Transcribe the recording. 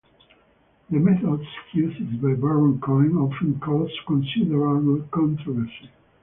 The methods used by Baron Cohen often cause considerable controversy.